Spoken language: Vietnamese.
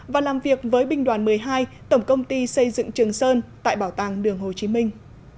và làm việc với binh đoàn một mươi hai tổng công ty xây dựng trường sơn tại bảo tàng đường hồ chí minh